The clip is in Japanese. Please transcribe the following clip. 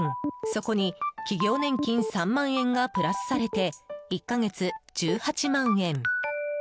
そこに企業年金３万円がプラスされて１か月１８万円。